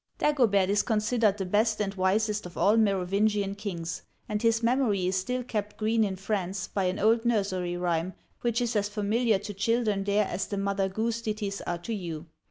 Dagobeirt is considered the best and wisest of all the Merovingian kings, and his memory is still kept green in France by an old nursery rhyme, which is as familiar to children there as the Mother Goose ditties are to you.